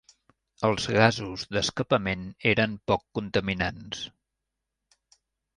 Els gasos d’escapament eren poc contaminants.